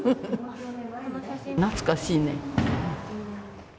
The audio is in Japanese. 懐かしいね。